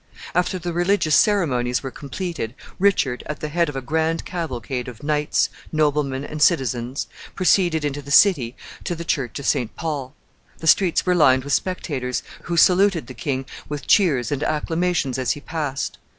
After the religious ceremonies were completed, Richard, at the head of a grand cavalcade of knights, noblemen, and citizens, proceeded into the city to the Church of St. Paul. The streets were lined with spectators, who saluted the king with cheers and acclamations as he passed.